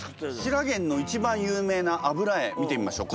ひらげんの一番有名な油絵見てみましょう。